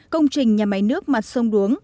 công trình nhà máy nước mặt sông đuống